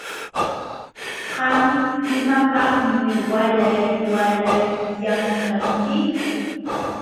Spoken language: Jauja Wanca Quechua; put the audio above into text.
Qam ¿imapaqmi waalay waalay llamkanki?